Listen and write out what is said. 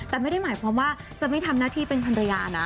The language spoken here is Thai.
แต่ไม่ได้หมายความว่าจะไม่ทำหน้าที่เป็นภรรยานะ